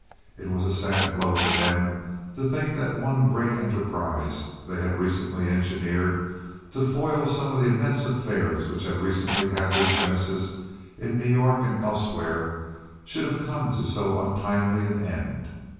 It was a sad blow to them to think that the one great enterprise they had recently engineered—a foil to some of the immense affairs which had recently had their genesis in New York and elsewhere—should have come to so untimely an end.